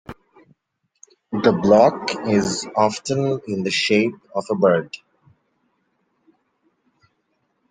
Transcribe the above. The block is often in the shape of a bird.